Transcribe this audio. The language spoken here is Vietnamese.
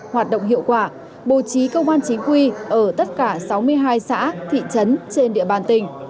hoạt động hiệu quả bố trí công an chính quy ở tất cả sáu mươi hai xã thị trấn trên địa bàn tỉnh